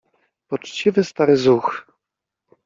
Poczciwy stary zuch!